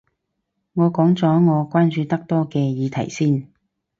我講咗我關注得多嘅議題先